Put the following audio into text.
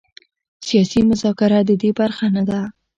سیاسي مذاکره د دې برخه نه ده.